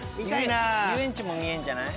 遊園地も見えんじゃない？